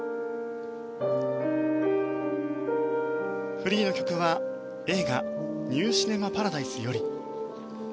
フリーの曲は、映画「ニュー・シネマ・パラダイス」より。